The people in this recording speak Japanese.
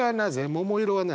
桃色は何？